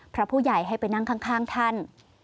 พระผู้ใหญ่ให้ไปนั่งข้างท่าน